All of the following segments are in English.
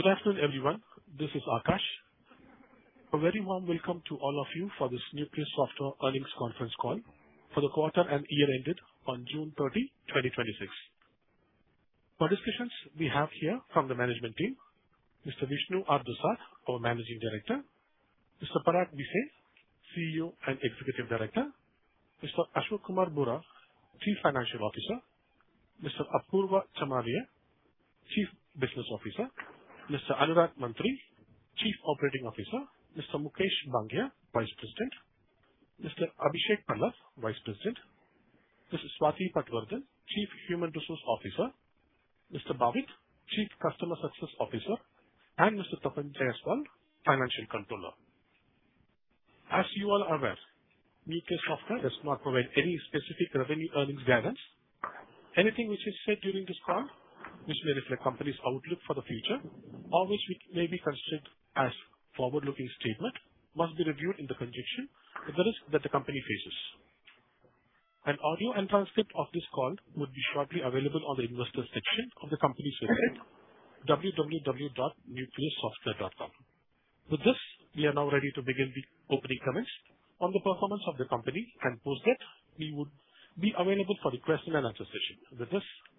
Good afternoon, everyone. This is Akash. A very warm welcome to all of you for this Nucleus Software earnings conference call for the quarter and year ended on June 30, 2026. For discussions, we have here from the management team, Mr. Vishnu R. Dusad, our Managing Director, Mr. Parag Bhise, CEO and Executive Director, Mr. Ashwani Arora, Chief Financial Officer, Mr. Apurva Chamaria, Chief Business Officer, Mr. Anurag Mantri, Chief Operating Officer, Mr. Mukesh Bangia, Vice President, Mr. Abhishek Pallav, Vice President, Mrs. Swati Patwardhan, Chief Human Resources Officer, Mr. Bhavit, Chief Customer Success Officer, and Mr. Tapan Jayaswal, Financial Controller. As you all are aware, Nucleus Software does not provide any specific revenue earnings guidance. Anything which is said during this call which may reflect company's outlook for the future or which may be considered as forward-looking statement must be reviewed in conjunction with the risk that the company faces. An audio and transcript of this call would be shortly available on the investor section of the company's website, www.nucleussoftware.com. We are now ready to begin the opening comments on the performance of the company. Post that, we would be available for the question and answer session.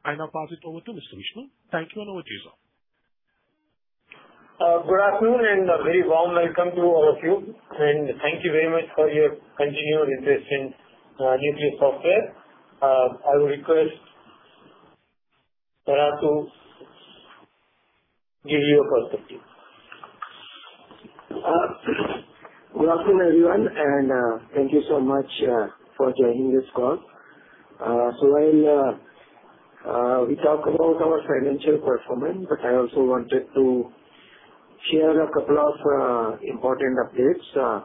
I now pass it over to Mr. Vishnu. Thank you. Over to you, sir. Good afternoon. A very warm welcome to all of you. Thank you very much for your continued interest in Nucleus Software. I would request Parag to give you a perspective. Good afternoon, everyone. Thank you so much for joining this call. I will talk about our financial performance. I also wanted to share a couple of important updates.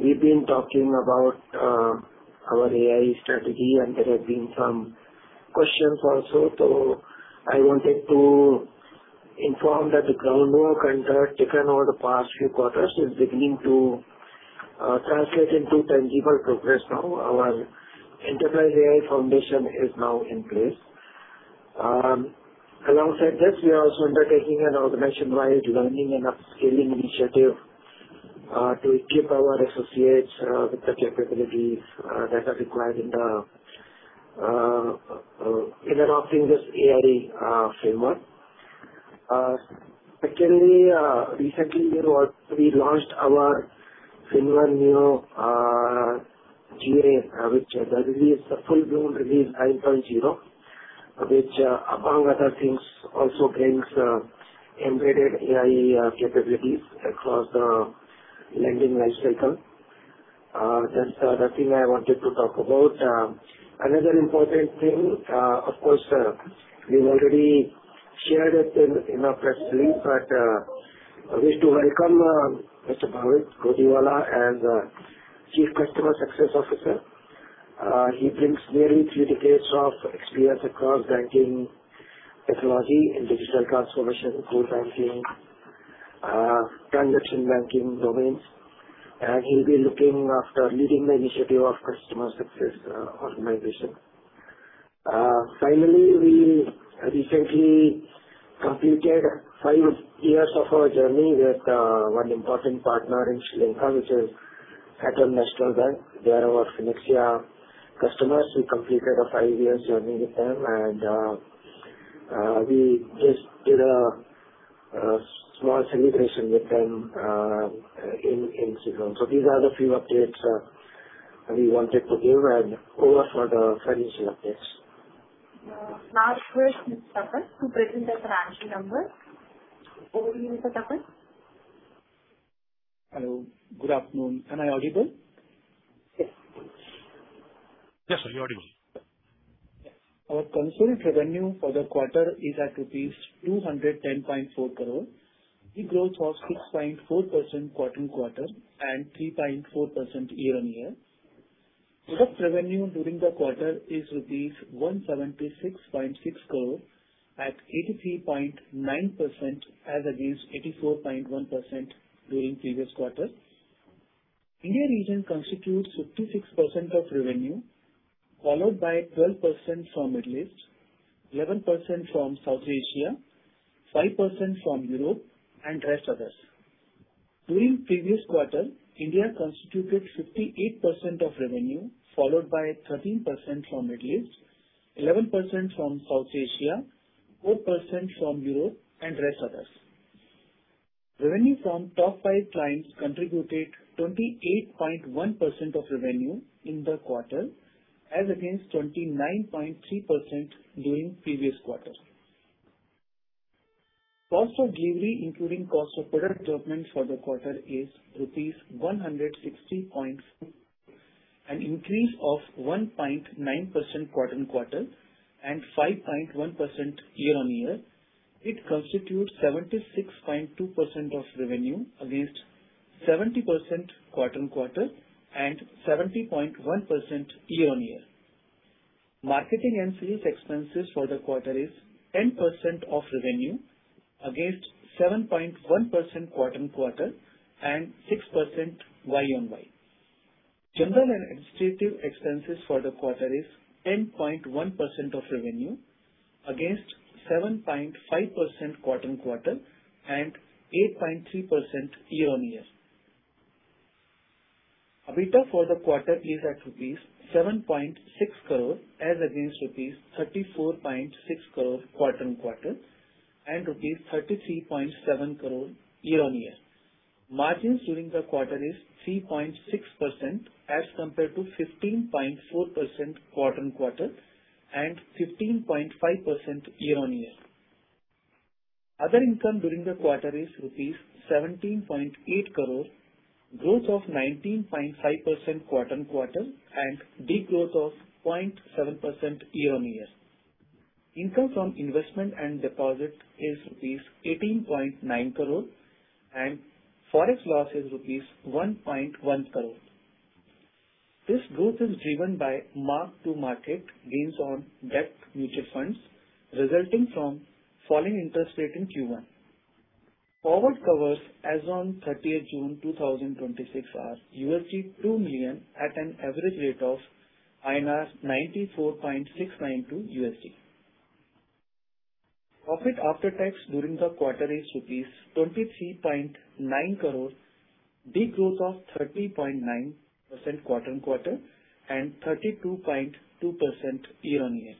We've been talking about our AI strategy. There have been some questions also. I wanted to inform that the groundwork undertaken over the past few quarters is beginning to translate into tangible progress now. Our enterprise AI foundation is now in place. Alongside this, we are also undertaking an organization-wide learning and upskilling initiative to equip our associates with the capabilities that are required in adopting this AI framework. Secondly, recently we launched our FinnOne Neo GA, which is the full-blown release 9.0, which among other things, also brings embedded AI capabilities across the lending lifecycle. That's the other thing I wanted to talk about. Wish to welcome Mr. Bhavit Godiwala as Chief Customer Success Officer. He brings nearly three decades of experience across banking technology in digital transformation, core banking, transaction banking domains, and he'll be looking after leading the initiative of customer success organization. Finally, we recently completed five years of our journey with one important partner in Sri Lanka, which is Hatton National Bank. They are our FinnAxia customers. We completed a five-year journey with them and we just did a small celebration with them in Sri Lanka. These are the few updates we wanted to give and over for the financial updates. First is Tapan to present us the actual numbers. Over to you, Mr. Tapan. Hello. Good afternoon. Am I audible? Yes. Yes, sir, you're audible. Our consolidated revenue for the quarter is at rupees 210.4 crore. The growth was 6.4% quarter-on-quarter and 3.4% year-on-year. Product revenue during the quarter is rupees 176.6 crore at 83.9% as against 84.1% during previous quarter. India region constitutes 56% of revenue, followed by 12% from Middle East, 11% from South Asia, 5% from Europe, and rest others. During previous quarter, India constituted 58% of revenue, followed by 13% from Middle East, 11% from South Asia, 4% from Europe, and rest others. Revenue from top five clients contributed 28.1% of revenue in the quarter as against 29.3% during previous quarter. Cost of delivery, including cost of product development for the quarter, is rupees 160.4, an increase of 1.9% quarter-on-quarter and 5.1% year-on-year. It constitutes 76.2% of revenue against 70% quarter-on-quarter and 70.1% year-on-year. Marketing and sales expenses for the quarter is 10% of revenue against 7.1% quarter-on-quarter and 6% YOY. General and administrative expenses for the quarter is 10.1% of revenue against 7.5% quarter-on-quarter and 8.3% year-on-year. EBITDA for the quarter is at INR 7.6 crore as against INR 34.6 crore quarter-on-quarter and INR 33.7 crore year-on-year. Margins during the quarter is 3.6% as compared to 15.4% quarter-on-quarter and 15.5% year-on-year. Other income during the quarter is INR 17.8 crore, growth of 19.5% quarter-on-quarter and decline of 0.7% year-on-year. Income from investment and deposit is rupees 18.9 crore and Forex loss is rupees 1.1 crore. This growth is driven by mark-to-market gains on debt mutual funds resulting from falling interest rate in Q1. Forward covers as on 30th June 2026 are USD 2 million at an average rate of INR 94.692 USD. Profit after tax during the quarter is rupees 23.9 crore, decline of 30.9% quarter-on-quarter and 32.2% year-on-year.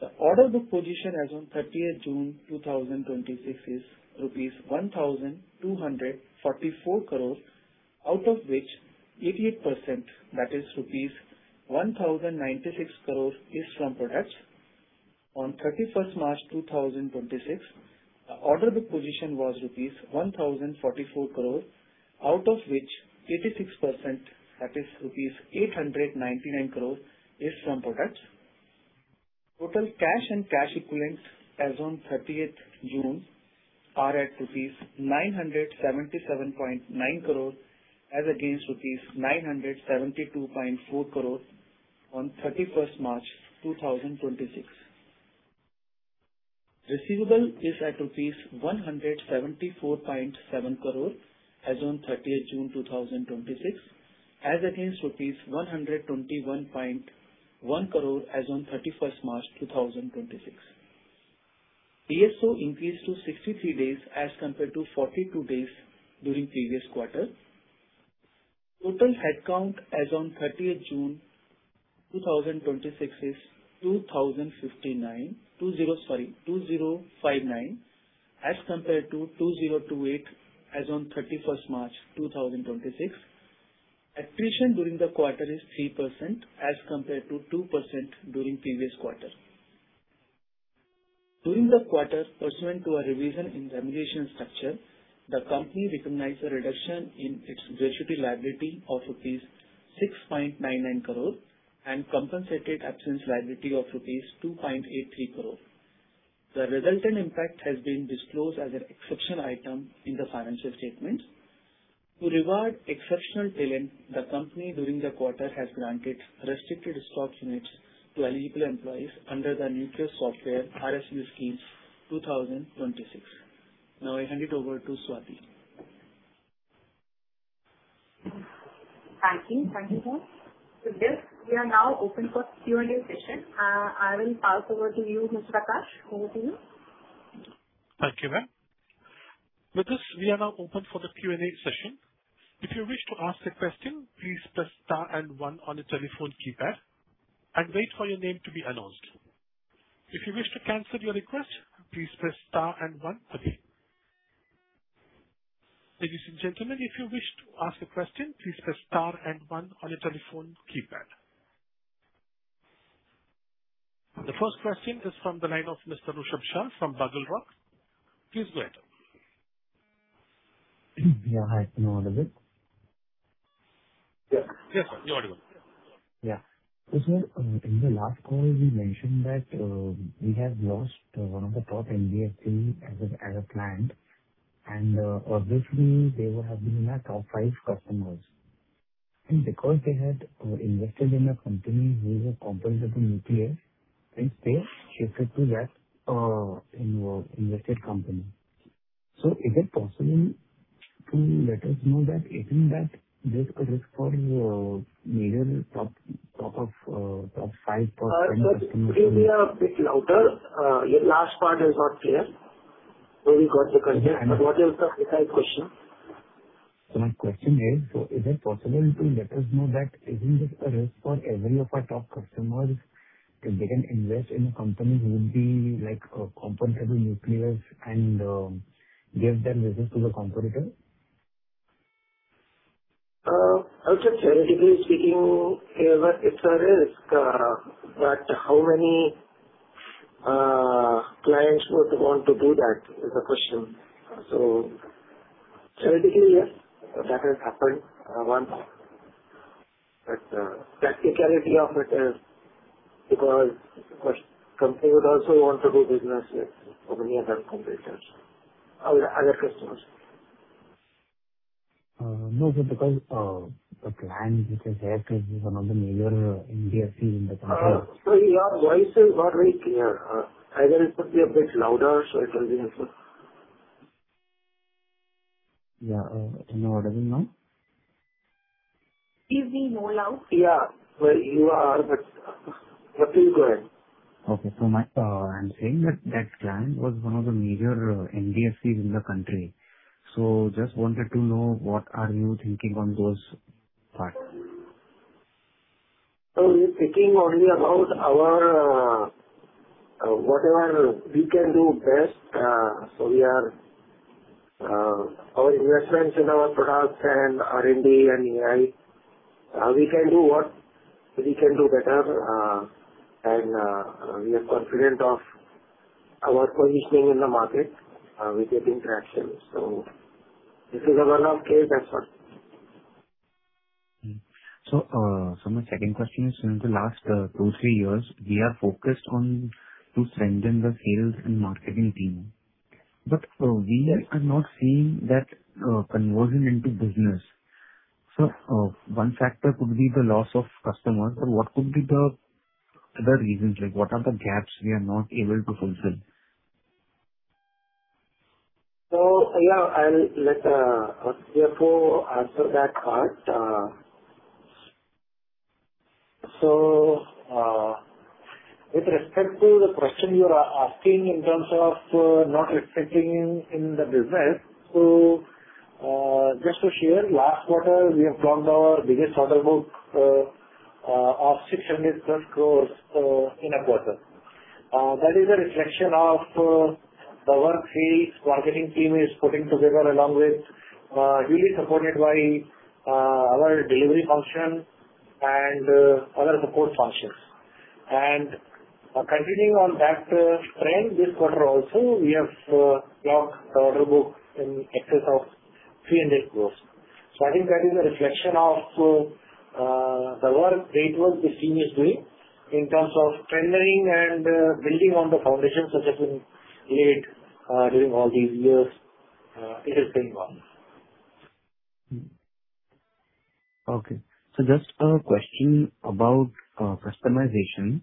The order book position as on 30th June 2026 is rupees 1,244 crores, out of which 88%, that is rupees 1,096 crores is from products. On 31st March 2026, the order book position was rupees 1,044 crores, out of which 86%, that is rupees 899 crores is from products. Total cash and cash equivalents as on 30th June are at rupees 977.9 crores as against rupees 972.4 crores on 31st March 2026. Receivable is at INR 174.7 crore as on 30th June 2026 as against INR 121.1 crore as on 31st March 2026. DSO increased to 63 days as compared to 42 days during previous quarter. Total headcount as on 30th June 2026 is 2059 as compared to 2028 as on 31st March 2026. Attrition during the quarter is 3% as compared to 2% during previous quarter. During the quarter, pursuant to a revision in remuneration structure, the company recognized a reduction in its gratuity liability of rupees 6.99 crores and compensated absence liability of rupees 2.83 crores. The resultant impact has been disclosed as an exceptional item in the financial statement. To reward exceptional talent, the company during the quarter has granted restricted stock units to eligible employees under the Nucleus Software RSU Scheme 2026. Now I hand it over to Swati. Thank you. Thank you, sir. With this, we are now open for Q&A session. I will pass over to you, Mr. Akash. Over to you. Thank you, ma'am. With this, we are now open for the Q&A session. If you wish to ask a question, please press star and one on your telephone keypad and wait for your name to be announced. If you wish to cancel your request, please press star and one again. Ladies and gentlemen, if you wish to ask a question, please press star and one on your telephone keypad. The first question is from the line of Mr. Rishabh Shah from Edelweiss. Please go ahead. Yeah. Hi, can you all hear me? Yes. Yes. You are audible. Yeah. Sir, in the last call, we mentioned that we have lost one of the top NBFCs as a client, and obviously, they would have been in our top five customers. Because they had invested in a company who were competitors of Nucleus, they shifted to that invested company. Is it possible to let us know that isn't that there's a risk for your major top five customers? Sir, could you be a bit louder. Your last part is not clear. We got the first part, what is the second question? My question is it possible to let us know that isn't this a risk for every of our top customers, if they can invest in a company who would be competitor to Nucleus and give that business to the competitor? I would say theoretically speaking, it's a risk. How many clients would want to do that is the question. Theoretically, yes, that has happened once. Practicality of it is because company would also want to do business with other customers. No, sir, because the client which has left is one of the major NBFC in the country. Sir, your voice is not very clear. Either you speak a bit louder, so it will be helpful Yeah. Can you hear me now? Excuse me, no loud. Yeah. Well, you are, continue, go ahead. Okay. I'm saying that Shriram was one of the major NBFCs in the country. Just wanted to know what are you thinking on those parts? We are thinking only about whatever we can do best. Our investments in our products and R&D and AI, we can do what we can do better. We are confident of our positioning in the market with interactions. This is a one-off case, that's all. My second question is, in the last two, three years, we are focused on to strengthen the sales and marketing team. We are not seeing that conversion into business. One factor could be the loss of customers, what could be the other reasons? What are the gaps we are not able to fulfill? Yeah. I'll let Apurva answer that part. With respect to the question you are asking in terms of not reflecting in the business. Just to share, last quarter, we have grown our biggest order book of 600 plus crores in a quarter. That is a reflection of the work sales targeting team is putting together along with, really supported by our delivery function and other support functions. Continuing on that trend this quarter also, we have locked the order book in excess of 300 crores. I think that is a reflection of the great work this team is doing in terms of tendering and building on the foundation that has been laid during all these years. It has been well. Okay. Just a question about customization.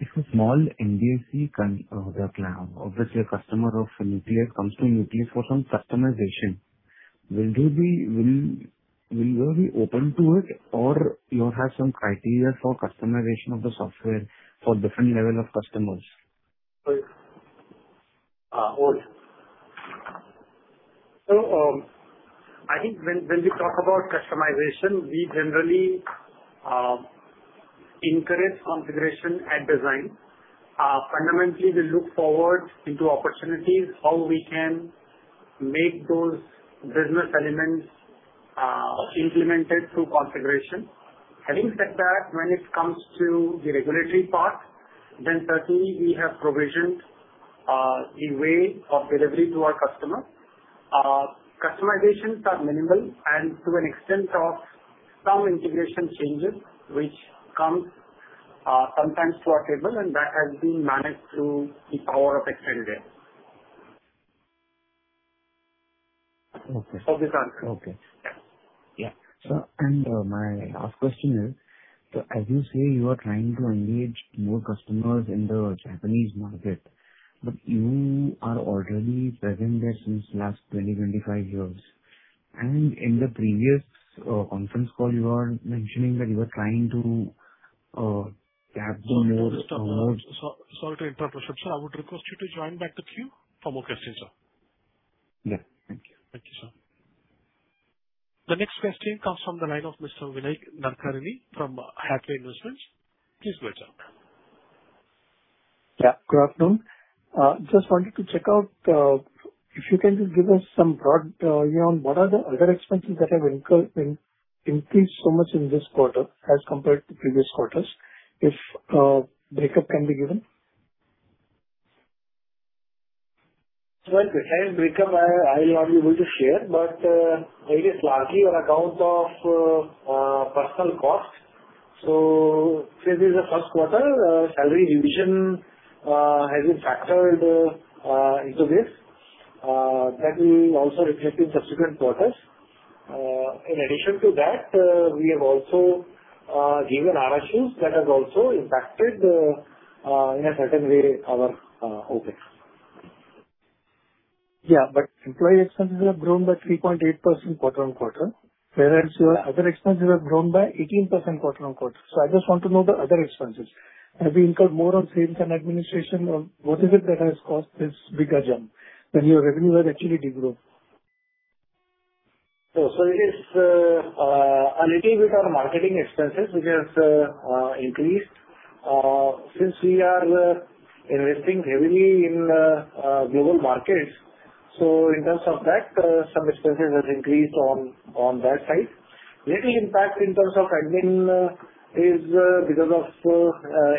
If a small NBFC, obviously, a customer of Nucleus comes to Nucleus for some customization. Will you be open to it, or you'll have some criteria for customization of the software for different level of customers? I think when we talk about customization, we generally encourage configuration and design. Fundamentally, we look forward into opportunities, how we can make those business elements implemented through configuration. Having said that, when it comes to the regulatory part, certainly we have provisioned a way of delivery to our customer. Customizations are minimal and to an extent of some integration changes which comes sometimes to our table and that has been managed through the power of extended desk. Okay. Hope this answers. Okay. Yeah. My last question is, so as you say you are trying to engage more customers in the Japanese market, but you are already present there since last 20, 25 years. In the previous conference call you were mentioning that you were trying to tap the more. Sorry to interrupt, Rishabh. Sir, I would request you to join back the queue for more questions, sir. Yeah. Thank you. Thank you, sir. The next question comes from the line of Mr. Vinayak Narkarani from Hatway Investments. Please go ahead, sir. Yeah. Good afternoon. Just wanted to check out, if you can just give us some broad view on what are the other expenses that have increased so much in this quarter as compared to previous quarters, if breakup can be given. Well, precise breakup, I will not be able to share, but it is largely on account of personal cost. Since it is the first quarter, salary revision has been factored into this, that will also reflect in subsequent quarters. In addition to that, we have also given RSUs that has also impacted, in a certain way, our OpEx. Yeah, employee expenses have grown by 3.8% quarter-on-quarter, whereas your other expenses have grown by 18% quarter-on-quarter. I just want to know the other expenses. Have you incurred more on sales and administration, or what is it that has caused this bigger jump when your revenue has actually decreased? It is a little bit on marketing expenses, which has increased. Since we are investing heavily in global markets, in terms of that, some expenses has increased on that side. Little impact in terms of admin is because of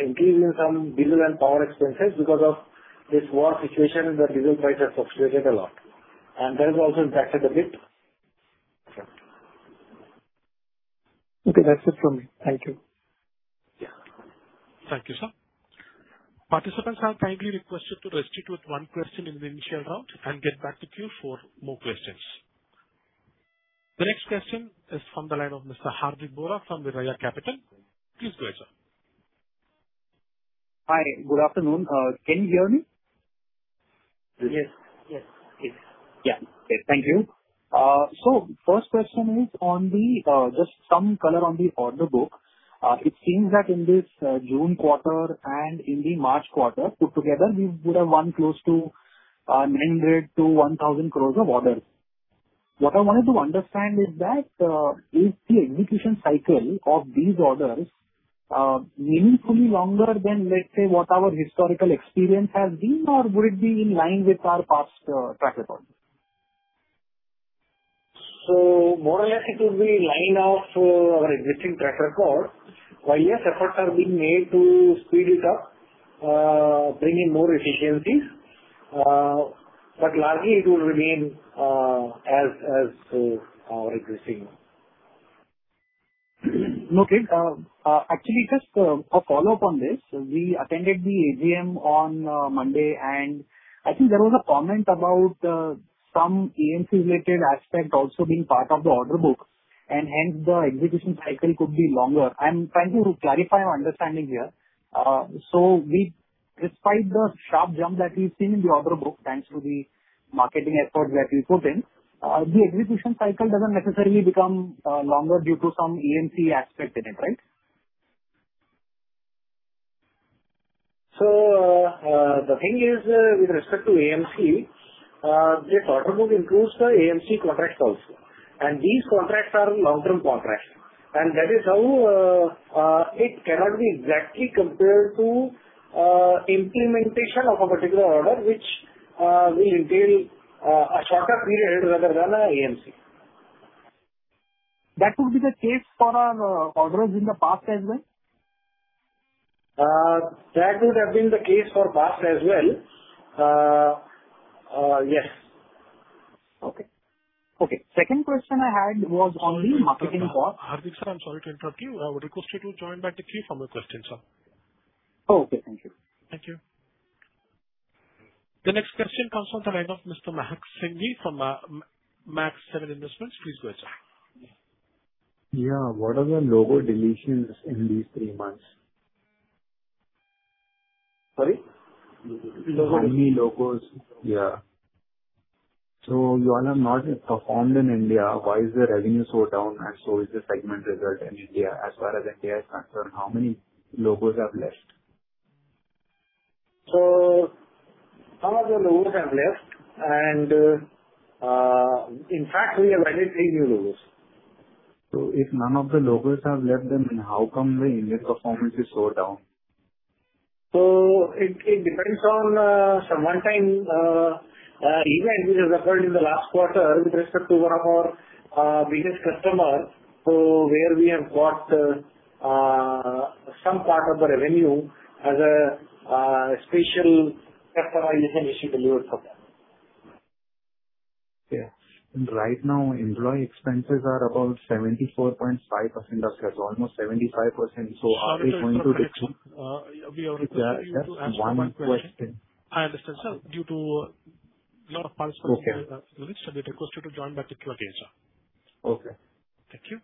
increase in some diesel and power expenses because of this war situation, the diesel price has fluctuated a lot. That has also impacted a bit. That's it from me. Thank you. Yeah. Thank you, sir. Participants, I kindly request you to restrict one question in the initial round and get back to queue for more questions. The next question is from the line of Mr. Hardik Bora from Vivaya Capital. Please go ahead, sir. Hi, good afternoon. Can you hear me? Yes. Yeah. Okay. Thank you. First question is just some color on the order book. It seems that in this June quarter and in the March quarter put together, we would have won close to 900 to 1,000 crores of orders. What I wanted to understand is that, is the execution cycle of these orders meaningfully longer than, let's say, what our historical experience has been, or would it be in line with our past track record? More or less it will be in line of our existing track record. While yes, efforts are being made to speed it up, bring in more efficiencies, but largely it will remain as our existing one. Okay. Actually, just a follow-up on this. We attended the AGM on Monday, and I think there was a comment about some AMC related aspect also being part of the order book, and hence the execution cycle could be longer. I'm trying to clarify my understanding here. Despite the sharp jump that we've seen in the order book, thanks to the marketing effort that you put in, the execution cycle doesn't necessarily become longer due to some AMC aspect in it, right? The thing is, with respect to AMC, this order book includes the AMC contracts also, and these contracts are long-term contracts. That is how it cannot be exactly compared to implementation of a particular order, which will entail a shorter period rather than a AMC. That would be the case for our orders in the past as well? That would have been the case for past as well. Yes. Okay. Second question I had was on the. Hardik sir, I'm sorry to interrupt you. I would request you to join back the queue for your question, sir. Okay. Thank you. Thank you. The next question comes from the line of Mr. Mahak Singh from Max Seven Investments. Please go ahead, sir. Yeah. What are the logo deletions in these three months? Sorry. How many logos? Yeah. You all have not performed in India. Why is the revenue so down and so is the segment result in India? As far as India is concerned, how many logos have left? Some of the logos have left and, in fact, we have added three new logos. If none of the logos have left, then how come the India performance is so down? It depends on some one-time event which has occurred in the last quarter with respect to one of our biggest customer, so where we have got some part of the revenue as a special customization which we delivered for them. Yeah. Right now, employee expenses are about 74.5% of sales, almost 75%. Sorry to interrupt, Mahak. We are requesting you to ask one question. Just one question. I understand, sir. Due to lot of participants joined. Okay. We request you to join back the queue sir. Okay. Thank you.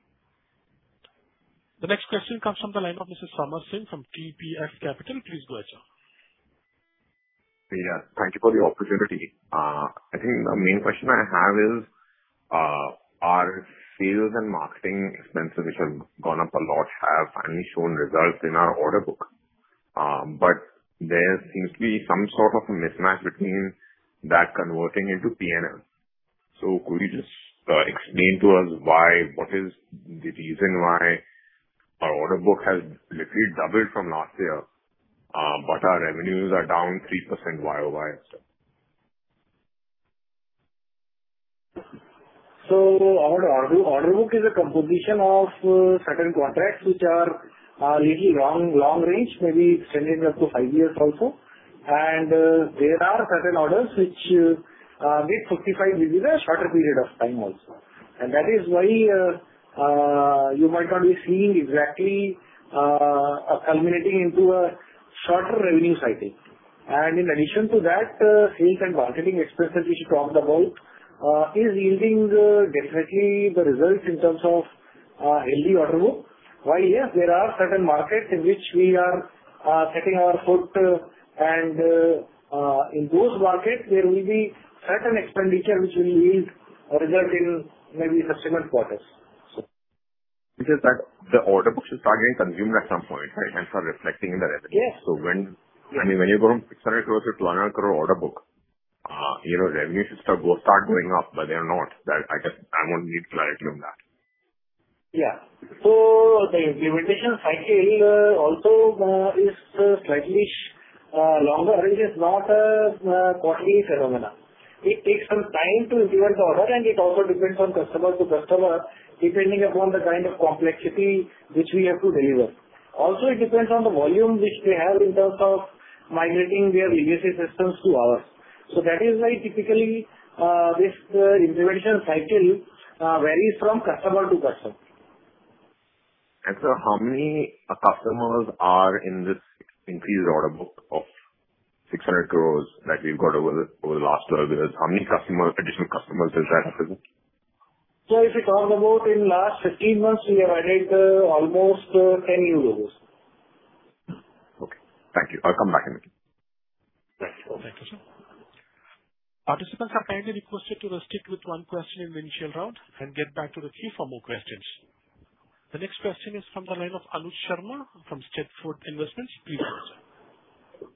The next question comes from the line of Mr. Samar Singh from TPF Capital. Please go ahead, sir. Thank you for the opportunity. I think the main question I have is, our sales and marketing expenses, which have gone up a lot, have finally shown results in our order book. There seems to be some sort of a mismatch between that converting into PNL. Could you just explain to us why, what is the reason why our order book has literally doubled from last year, but our revenues are down 3% YOY? Our order book is a composition of certain contracts which are little long range, maybe extending up to five years also. There are certain orders which get fulfilled within a shorter period of time also. That is why you might not be seeing exactly culminating into a shorter revenue cycle. In addition to that, sales and marketing expenses which you talked about, is yielding definitely the results in terms of healthy order book. While, yes, there are certain markets in which we are setting our foot and in those markets there will be certain expenditure which will yield result in maybe subsequent quarters. It is that the order book should start getting consumed at some point, right? Start reflecting in the revenue. Yes. When you go from 600 crore to 1,200 crore order book, revenue should start going up, but they are not. I would need clarity on that. The implementation cycle also is slightly longer and is not a quarterly phenomenon. It takes some time to implement the order, and it also depends on customer to customer, depending upon the kind of complexity which we have to deliver. Also, it depends on the volume which they have in terms of migrating their legacy systems to ours. That is why typically, this implementation cycle varies from customer to customer. Sir, how many customers are in this increased order book of 600 crore that we've got over the last 12 years? How many additional customers is that approximately? If you talk about in last 15 months, we have added almost 10 new logos. Okay, thank you. I will come back in the queue. Thank you, sir. Participants are kindly requested to stick with one question in the initial round and get back to the queue for more questions. The next question is from the line of Anuj Sharma from Steadfast Investments. Please go ahead, sir.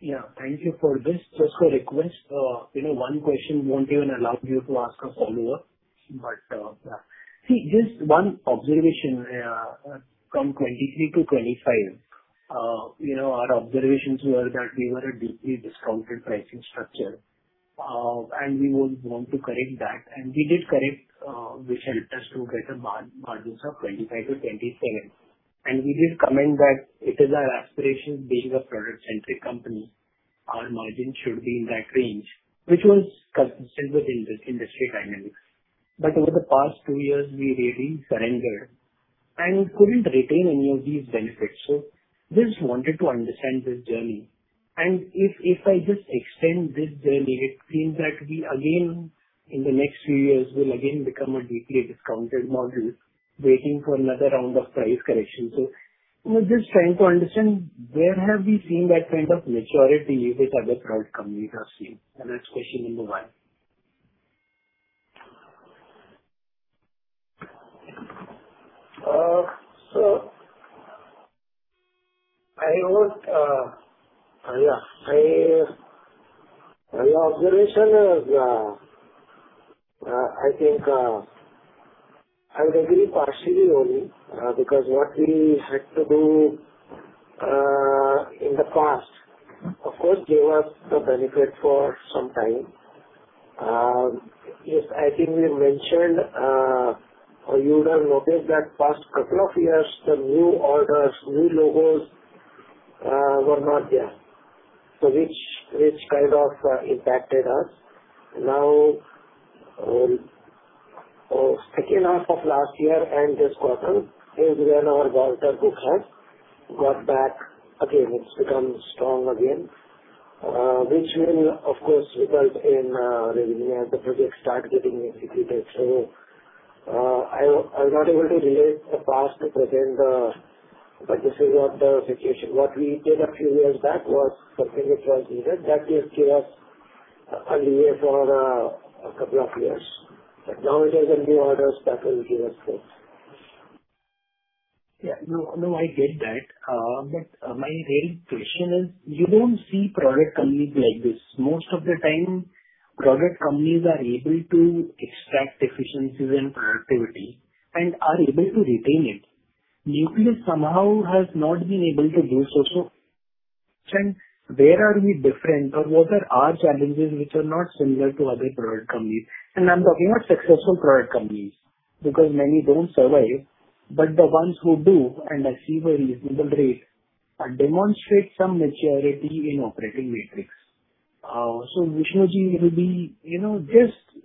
Yeah, thank you for this. Just a request. One question won't even allow you to ask a follow-up. See, just one observation. From 2023 to 2025, our observations were that we were a deeply discounted pricing structure, and we would want to correct that. We did correct, which helped us to get margins of 25%-27%. We did comment that it is our aspiration being a product-centric company, our margin should be in that range, which was consistent with industry dynamics. Over the past two years, we really surrendered and couldn't retain any of these benefits. Just wanted to understand this journey. If I just extend this journey, it seems like we again, in the next few years, will again become a deeply discounted model waiting for another round of price correction. I was just trying to understand where have we seen that kind of maturity with other product companies I have seen, and that is question number one. Your observation is, I think I would agree partially only, because what we had to do in the past, of course, gave us the benefit for some time. Yes, I think we mentioned, or you would have noticed that past couple of years, the new orders, new logos were not there. Which kind of impacted us. Now, second half of last year and this quarter is when our order books have got back again. It's become strong again, which will of course result in revenue as the project start getting executed. I'm not able to relate the past to present, but this is what the situation. What we did a few years back was something which was needed. That did give us a leeway for a couple of years. Now there's a new order that will give us growth. Yeah. No, I get that. My real question is, you don't see product companies like this. Most of the time, product companies are able to extract efficiencies and productivity and are able to retain it. Nucleus somehow has not been able to do so. Where are we different or what are our challenges which are not similar to other product companies? I'm talking about successful product companies because many don't survive. The ones who do, and I see very reasonable rate, demonstrate some maturity in operating metrics. Vishnu Ji, maybe,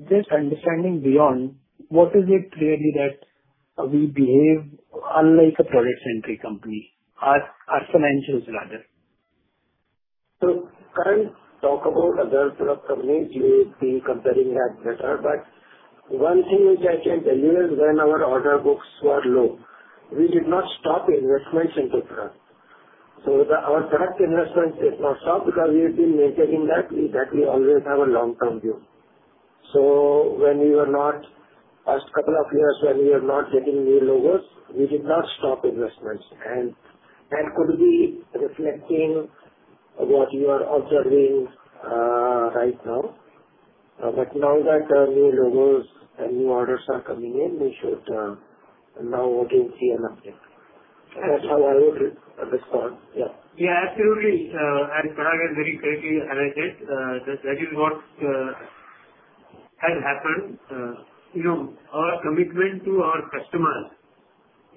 just understanding beyond what is it really that we behave unlike a product-centric company. Our financials rather. Can't talk about other product companies. We've been comparing that better. One thing which I can tell you is when our order books were low, we did not stop investments into product. Our product investments did not stop because we've been maintaining that we always have a long-term view. Past couple of years when we were not getting new logos, we did not stop investments. That could be reflecting what you are observing right now. Now that new logos and new orders are coming in, we should now again see an uptick. That's how I would respond. Yeah. Yeah, absolutely. Parag has very correctly highlighted that is what has happened. Our commitment to our customers,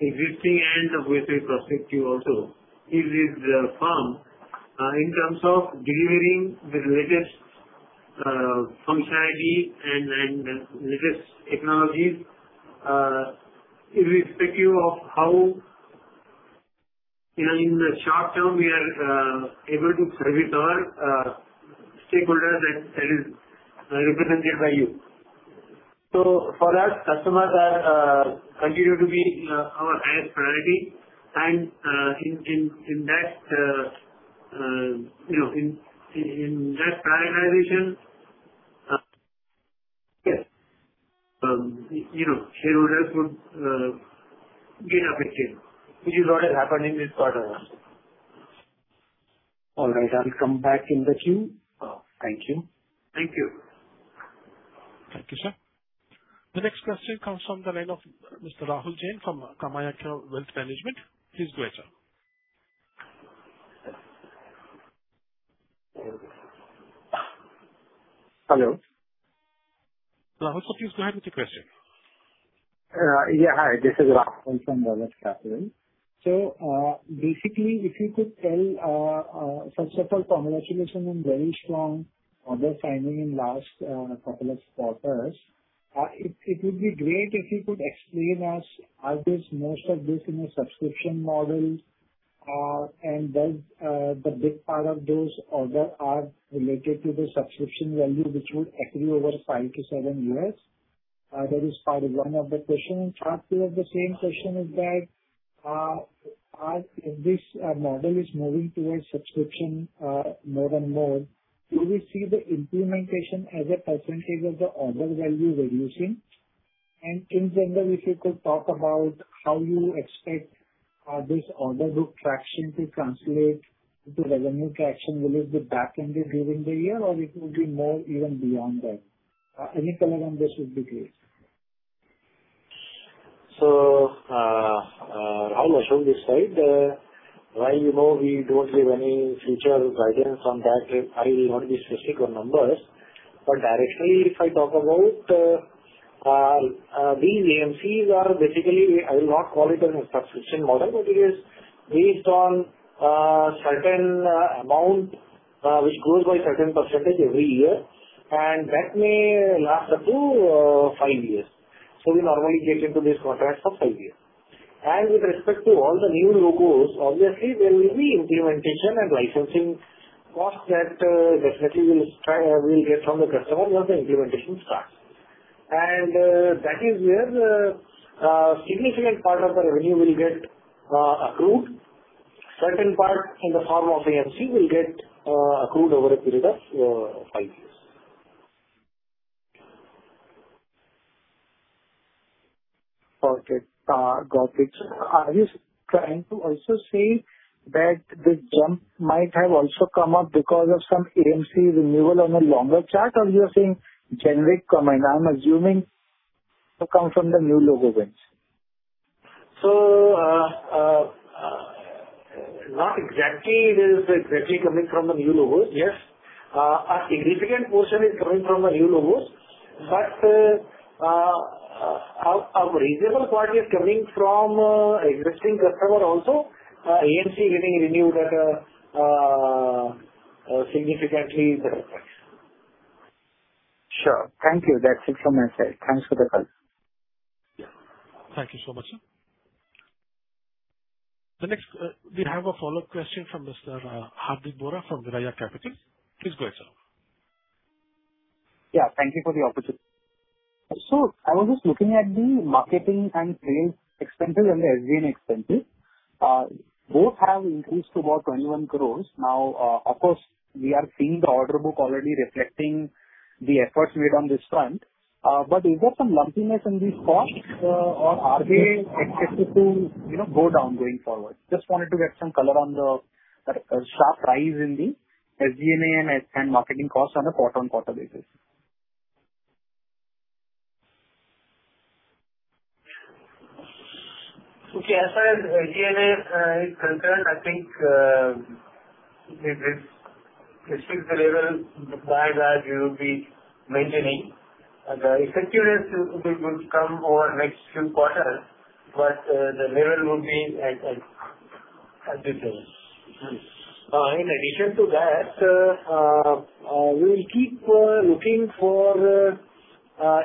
existing and obviously prospective also, is firm in terms of delivering the latest functionality and the latest technologies, irrespective of how in the short term we are able to service our stakeholders that is represented by you. For us, customers are continued to be our highest priority. In that prioritization, shareholders would benefit, which is what is happening with us. All right. I'll come back in the queue. Thank you. Thank you. Thank you, sir. The next question comes from the line of Mr. Rahul Jain from Kamya Capital Wealth Management. Please go ahead, sir. Hello. Rahul, please go ahead with your question. Hi, this is Rahul from Kamya Capital. Basically, first of all, congratulations on very strong order signing in last couple of quarters. It would be great if you could explain us, are these most of this in a subscription model? And does the big part of those orders are related to the subscription value which will accrue over five to seven years? That is part one of the question. Part two of the same question is that, as this model is moving towards subscription more and more, do we see the implementation as a percentage of the order value reducing? In general, if you could talk about how you expect this order book traction to translate to revenue traction. Will it be back ended during the year, or it will be more even beyond that? Any color on this would be great. Rahul, as you said, while we don't give any future guidance on that, I will not be specific on numbers. Directionally, if I talk about these AMCs are basically, I will not call it a subscription model, but it is based on a certain amount which grows by a certain percentage every year, and that may last up to five years. We normally get into this contract for five years. With respect to all the new logos, obviously, there will be implementation and licensing costs that definitely we'll get from the customer once the implementation starts. That is where a significant part of the revenue will get accrued. Certain parts in the form of AMC will get accrued over a period of five years. Okay, got it. Are you trying to also say that the jump might have also come up because of some AMC renewal on a longer chart, or you are saying generic comment? I'm assuming it comes from the new logo wins. Not exactly. It is exactly coming from the new logos. Yes. A significant portion is coming from the new logos. A reasonable part is coming from existing customer also, AMC getting renewed at a significantly better price. Sure. Thank you. That is it from my side. Thanks for the call. Yeah. Thank you so much, sir. Next, we have a follow-up question from Mr. Hardik Bora from Vivaya Capital. Please go ahead, sir. Yeah, thank you for the opportunity. I was just looking at the marketing and sales expenses and the SG&A expenses. Both have increased to about 21 crore. Of course, we are seeing the order book already reflecting the efforts made on this front. Is there some lumpiness in these costs, or are they expected to go down going forward? Just wanted to get some color on the sharp rise in the SG&A and marketing costs on a quarter-on-quarter basis. Okay. As far as SG&A is concerned, I think it is a fixed level by and large we will be maintaining. The effectiveness will come over the next few quarters, but the level will be at this level. In addition to that, we will keep looking for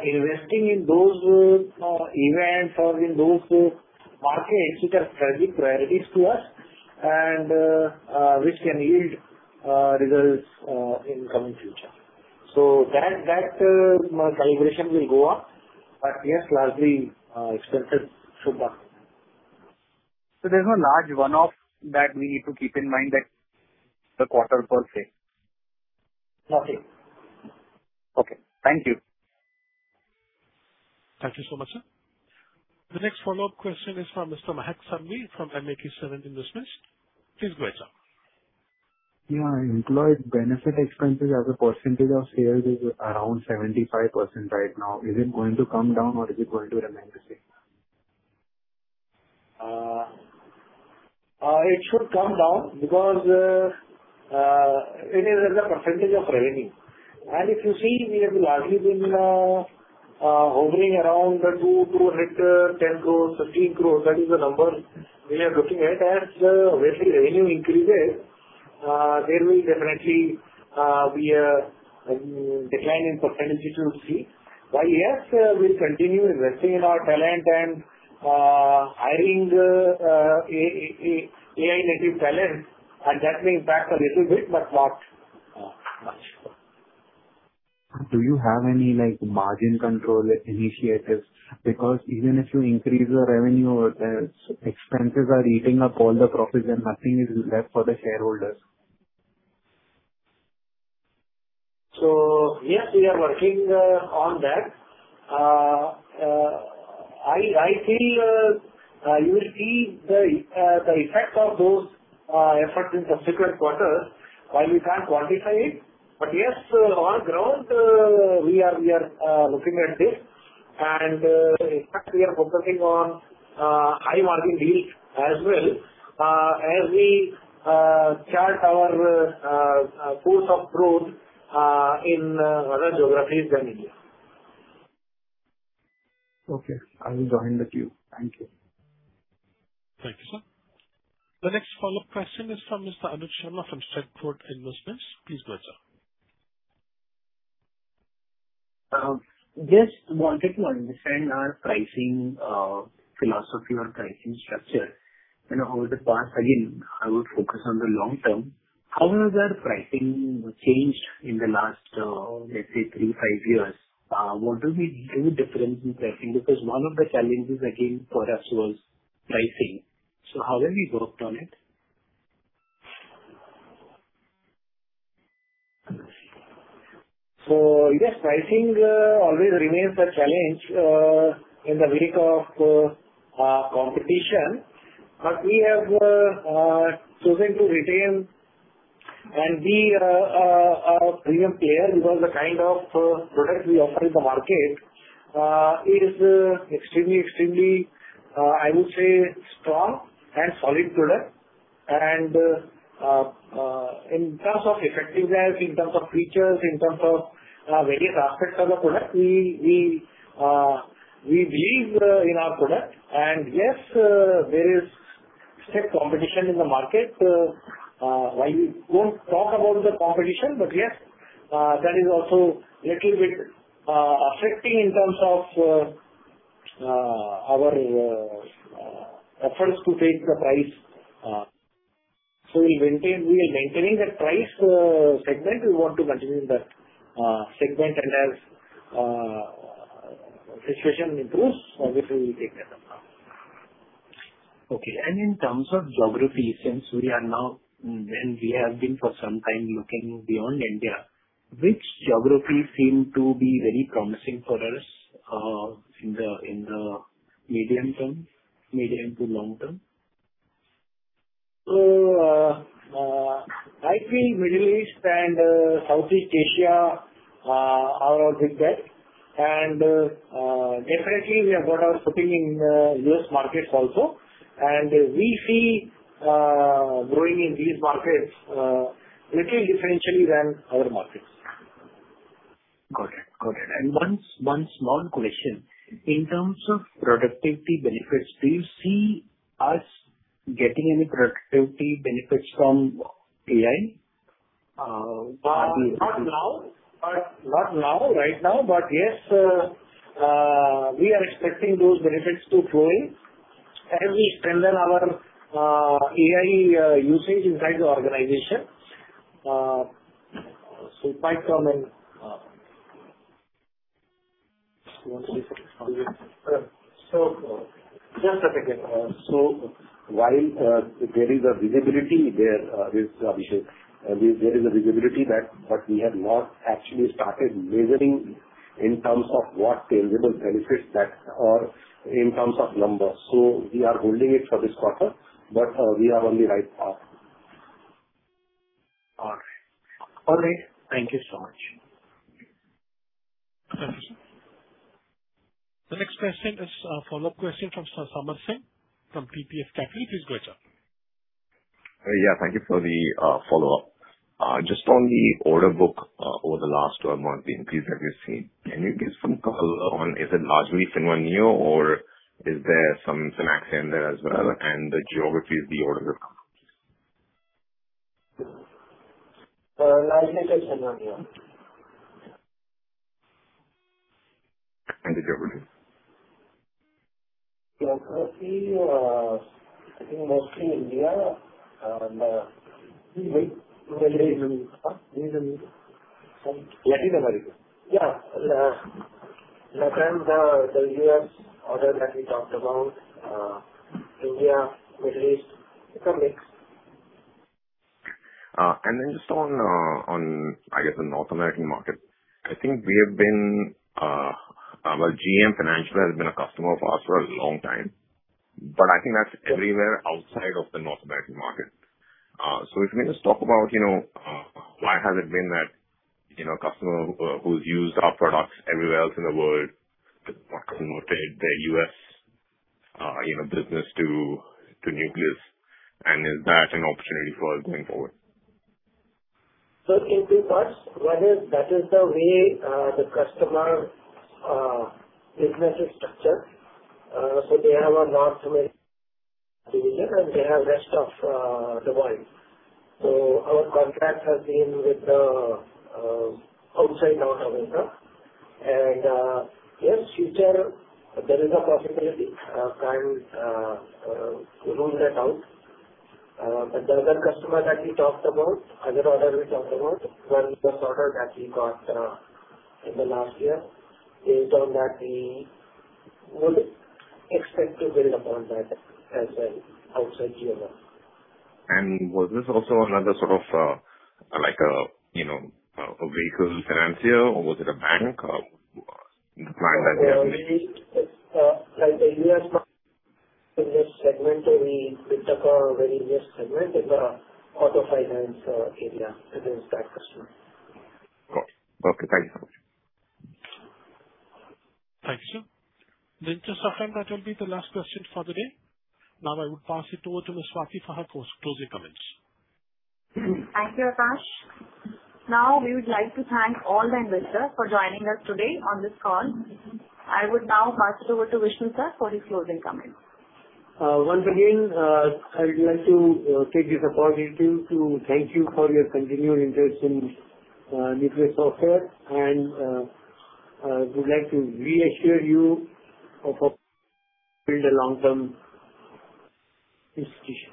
investing in those events or in those markets which are strategic priorities to us, and which can yield results in coming future. That calibration will go up. Yes, largely, expenses should go up. There's no large one-off that we need to keep in mind at the quarter per se. Nothing. Okay. Thank you. Thank you so much, sir. The next follow-up question is from Mr. Mahak Singh from Max Seven Investments. Please go ahead, sir. Yeah, employee benefit expenses as a percentage of sales is around 75% right now. Is it going to come down or is it going to remain the same? It should come down because it is as a percentage of revenue. If you see, we have largely been hovering around two, 210 crores, 13 crores. That is the number we are looking at. Obviously revenue increases, there will definitely be a decline in percentage we will see. While yes, we'll continue investing in our talent and hiring AI-native talent, and that may impact a little bit, but not much. Do you have any margin control initiatives? Even if you increase your revenue, if expenses are eating up all the profits, then nothing is left for the shareholders. Yes, we are working on that. I feel you will see the effect of those efforts in subsequent quarters while we can't quantify it. Yes, on ground, we are looking at this. In fact, we are focusing on high-margin deals as well, as we chart our course of growth in other geographies than India. Okay. I will join the queue. Thank you. Thank you, sir. The next follow-up question is from Mr. Anuj Sharma from Steadfast Investments. Please go ahead, sir. Just wanted to understand our pricing philosophy or pricing structure. Over the past, again, I would focus on the long term, how has our pricing changed in the last, let's say, three, five years? What do we do different in pricing? Because one of the challenges, again, for us was pricing. How have we worked on it? Yes, pricing always remains a challenge in the wake of competition. We have chosen to retain and be a premium player because the kind of product we offer in the market is extremely, I would say, strong and solid product. In terms of effectiveness, in terms of features, in terms of various aspects of the product, we believe in our product. Yes, there is stiff competition in the market. While we don't talk about the competition, but yes, that is also little bit affecting in terms of our efforts to take the price. We're maintaining that price segment. We want to continue in that segment, and as situation improves, obviously, we'll take that up. Okay. In terms of geography, since we have been for some time looking beyond India, which geography seem to be very promising for us in the medium to long term? I feel Middle East and Southeast Asia are with that. Definitely, we have got our footing in U.S. markets also. We see growing in these markets little differently than other markets. Got it. One small question. In terms of productivity benefits, do you see us getting any productivity benefits from AI? Not right now. Yes, we are expecting those benefits to flow in as we strengthen our AI usage inside the organization. Quite some time. While there is a visibility there, this Vishesh, there is a visibility that what we have not actually started measuring in terms of what tangible benefits that are in terms of numbers. We are holding it for this quarter. We are on the right path. All right. Thank you so much. Thank you, sir. The next question is a follow-up question from Samar Singh from TPF Capital. Please go ahead, sir. Yeah, thank you for the follow-up. Just on the order book over the last 12 months, the increase that we've seen, can you give some color on, is it largely FinnOne Neo or is there some FinnAxia there as well, and the geographies the order book covers? Largely FinnOne Neo. The geographies. Geography, I think mostly India and Middle East. Latin America. Yeah. Apart from the U.S. order that we talked about, India, Middle East. It's a mix. Just on, I guess the North American market. I think GM Financial has been a customer of ours for a long time. I think that's everywhere outside of the North American market. If you can just talk about why has it been that a customer who's used our products everywhere else in the world, but not promoted their U.S. business to Nucleus, and is that an opportunity for us going forward? In two parts. One is, that is the way the customer's business is structured. They have a North America division, and they have rest of the world. Our contract has been with the outside North America. Yes, future, there is a possibility. Can't rule that out. The other customer that we talked about, other order we talked about, one U.S. order that we got in the last year, based on that, we would expect to build upon that as an outside GM. Was this also another sort of a vehicle financier, or was it a bank? The client that we have- Like the U.S. in this segment, we took a very niche segment in the auto finance area. It is that customer. Got it. Okay. Thank you so much. Thank you, sir. Just confirm that will be the last question for the day. I would pass it over to Ms. Swati for her closing comments. Thank you, Akash. We would like to thank all the investors for joining us today on this call. I would pass it over to Vishnu sir for his closing comments. Once again, I would like to take this opportunity to thank you for your continued interest in Nucleus Software. I would like to reassure you of a build a long-term institution.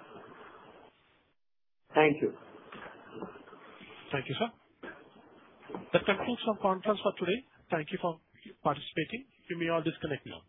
Thank you. Thank you, sir. That concludes our conference for today. Thank you for participating. You may all disconnect now.